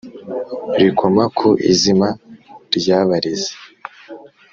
rikoma ku izima ryabareze